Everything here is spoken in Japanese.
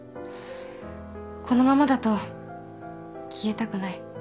このままだと消えたくない。